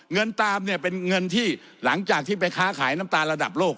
เงินตามเนี่ยเป็นเงินที่หลังจากที่ไปค้าขายน้ำตาลระดับโลก